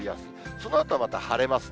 そのあとはまた晴れますね。